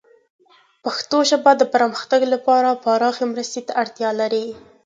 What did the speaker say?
پښتو ژبه د پرمختګ لپاره پراخې مرستې ته اړتیا لري.